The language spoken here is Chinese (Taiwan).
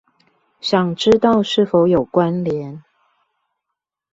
想知道是否有關連